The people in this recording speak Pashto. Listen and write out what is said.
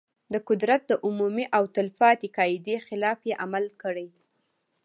د قدرت د عمومي او تل پاتې قاعدې خلاف یې عمل کړی.